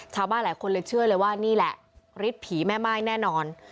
ชาวบ้านหลายคนเลยเชื่อเลยว่านี่แหละฤทธิ์ผีแม่ม่ายแน่นอน